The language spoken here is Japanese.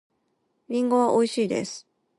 リンゴはおいしいです。